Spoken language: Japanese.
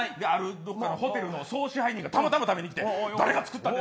どこかのホテルの総支配人がたまたま食べに来て誰が作ったんや。